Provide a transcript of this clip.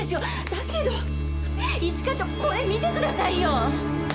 だけど一課長これ見てくださいよ！